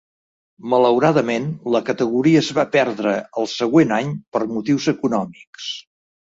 Malauradament la categoria es va perdre al següent any per motius econòmics.